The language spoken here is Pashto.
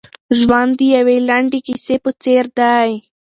ژوند د یوې لنډې کیسې په څېر دی.